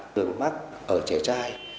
cường mắt ở trẻ trai